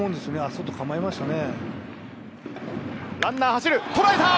外に構えましたね。